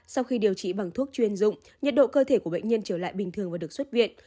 sau khi điều trị bằng thuốc chuyên dụng nhiệt độ cơ thể của bệnh nhân trở lại bình thường và được xuất viện